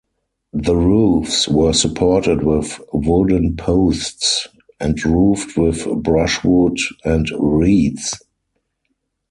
The roofs were supported with wooden posts, and roofed with brushwood and reeds.